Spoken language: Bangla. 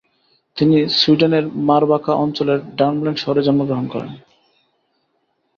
তিনি সুইডেনের মারবাকা অঞ্চলের ভার্মল্যান্ড শহরে জন্মগ্রহণ করেন।